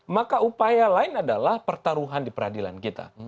maka upaya lain adalah pertaruhan di peradilan kita